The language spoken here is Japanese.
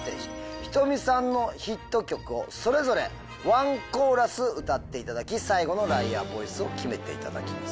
ｈｉｔｏｍｉさんのヒット曲をそれぞれワンコーラス歌っていただき最後のライアーボイスを決めていただきます。